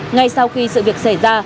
ngay sau khi sự việc xảy ra